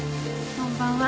こんばんは。